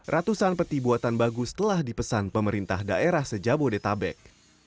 ratusan peti buatan bagus telah dipesan pemerintah daerah sejabodetabek